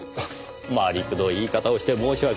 回りくどい言い方をして申し訳ない。